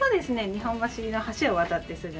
日本橋の橋を渡ってすぐ。